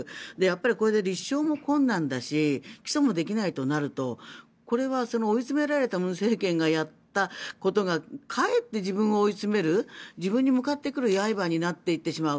これで立証も困難だし起訴もできないとなるとこれは追い詰められた文政権がやったことがかえって自分を追い詰める自分に向かってくる刃になってしまう。